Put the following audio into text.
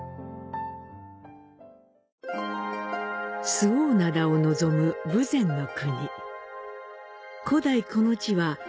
周防灘を望む豊前国。